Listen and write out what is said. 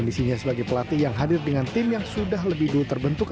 kondisinya sebagai pelatih yang hadir dengan tim yang sudah lebih dulu terbentuk